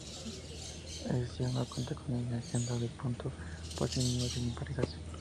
Hesíodo cuenta que Gea engendró a Ponto por sí misma, sin emparejarse.